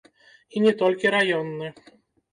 І не толькі раённы.